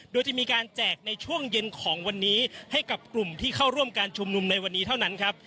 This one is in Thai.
โดยจะมีการแจกในช่วงเย็นของวันนี้ให้กับกลุ่มที่เข้าร่วมการชุมนุมในวันนี้เท่านั้นครับ